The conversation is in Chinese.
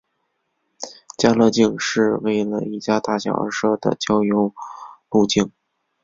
家乐径是为了一家大小而设的郊游路径。